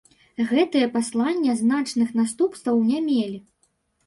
Гэтыя паслання значных наступстваў не мелі.